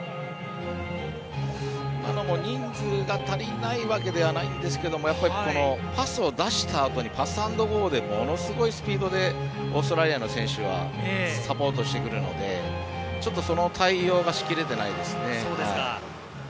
人数が足りないわけではないんですけどパスを出したあとにパスアンドゴーでものすごいスピードでオーストラリアの選手はサポートしてくるので対応しきれてないですね。